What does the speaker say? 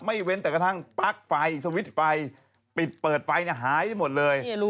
เว้นแต่กระทั่งปลั๊กไฟสวิตช์ไฟปิดเปิดไฟหายไปหมดเลย